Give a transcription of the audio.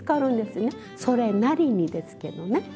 それなりにですけどね。